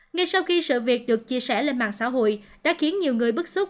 ngay sau khi sự việc được chia sẻ lên mạng xã hội đã khiến nhiều người bức xúc